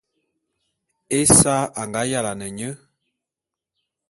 Esa a nga yalane nye.